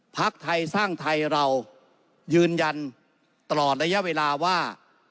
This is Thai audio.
พักไทยสร้างไทยเรายืนยันตลอดระยะเวลาว่า